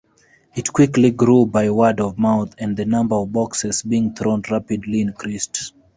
It quickly grew by word-of-mouth, and the number of boxes being thrown rapidly increased.